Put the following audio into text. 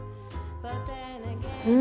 うん？